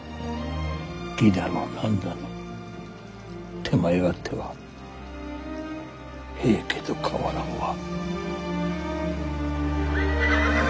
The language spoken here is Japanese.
義だの何だの手前勝手は平家と変わらんわ。